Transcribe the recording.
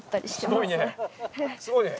すごいね。